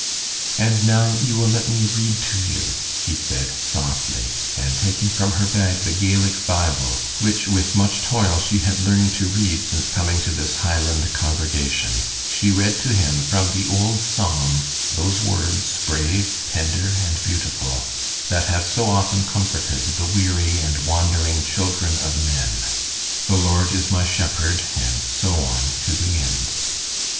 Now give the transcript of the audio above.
"And now you let me read to you," she said, softly, and taking from her bag the Gaelic Bible, which with much toil she had learned to read since coming to this Highland congregation, she read to him from the old Psalm those words, brave, tender, and beautiful, that have so often comforted the weary and wandering children of men, "The Lord is my Shepherd," and so on to the end.